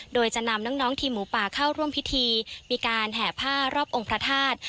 โดยจะนำน้องทีมหมูป่าเข้าร่วมพิธีมีการแห่ผ้ารอบองค์พระธาตุ